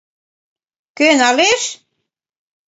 Кӧ налеш?